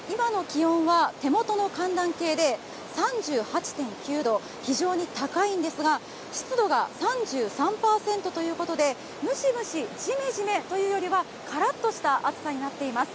今の気温は、３８．９度非常に高いんですが、湿度が３３％ということでムシムシ、ジメジメというよりは、カラッとした暑さになっています。